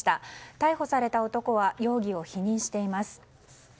逮捕された男は容疑を否認しています。